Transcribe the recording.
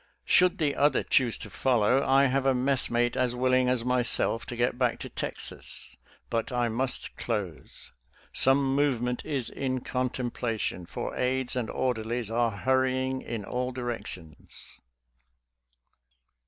Should the other choose to follow, I have a messmate as willing as myself to get back to Texas. But I must close. Some movement is in contemplation, for aides and orderlies are hurrying in all directions.